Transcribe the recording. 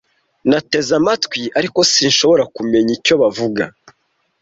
Nateze amatwi ariko sinshobora kumenya icyo bavuga.